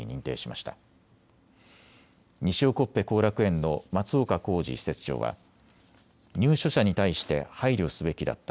しおこっぺ興楽園の松岡晃司施設長は入所者に対して配慮すべきだった。